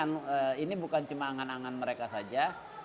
tapi saya punya keyakinan ini bukan cuma angan angan mereka saja